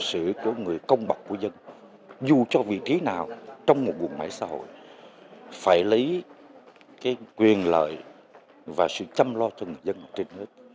hành sử của người công bậc của dân dù cho vị trí nào trong một vùng máy xã hội phải lấy quyền lợi và sự chăm lo cho người dân là trên hết